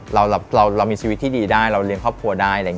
เรามีชีวิตที่ดีได้เรารียงครอบครัวได้